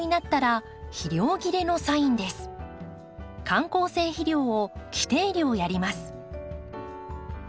緩効性肥料を規定量やります。